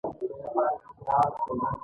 کرکه بده ده.